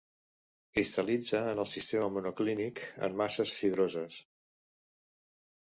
Cristal·litza en el sistema monoclínic en masses fibroses.